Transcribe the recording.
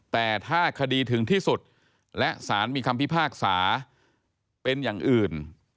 แต่ถ้าคดีถึงที่สุดและสารมีคำพิพากษาเป็นอย่างอื่น